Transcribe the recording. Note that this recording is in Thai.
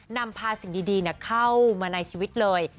นำพาสิ่งดีเข้ามาในชีวิตเลย